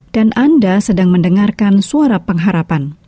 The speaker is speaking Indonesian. dan anda sedang mendengarkan suara pengharapan